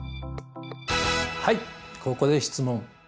はいここで質問。